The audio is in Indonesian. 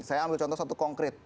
saya ambil contoh satu konkret